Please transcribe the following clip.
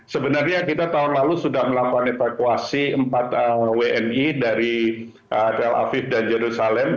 sebenarnya kita tahun lalu sudah melakukan evakuasi empat wni dari tel aviv dan jerusalem